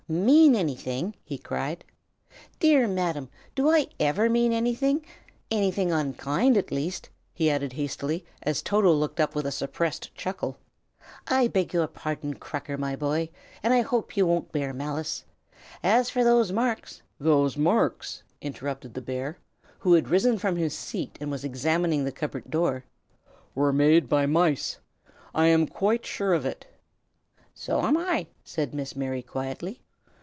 "Mean anything?" he cried. "Dear Madam, do I ever mean anything, anything unkind, at least?" he added hastily, as Toto looked up with a suppressed chuckle. "I beg your pardon, Cracker, my boy, and I hope you won't bear malice. As for those marks " "Those marks," interrupted the bear, who had risen from his seat and was examining the cupboard door, "were made by mice. I am quite sure of it." "So am I," said Miss Mary, quietly.